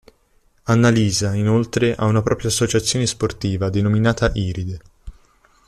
Annalisa, inoltre, ha una propria associazione sportiva denominata "Iride".